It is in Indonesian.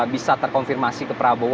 bisa terkonfirmasi ke prabowo